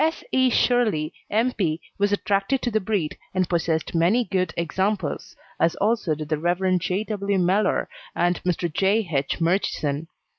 S. E. Shirley, M. P., was attracted to the breed, and possessed many good examples, as also did the Rev. J. W. Mellor and Mr. J. H. Murchison.